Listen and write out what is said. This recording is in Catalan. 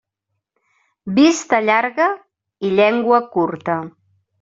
Vista llarga i llengua curta.